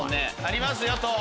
ありますよ「と」。